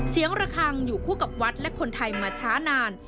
ระคังอยู่คู่กับวัดและคนไทยมาช้านาน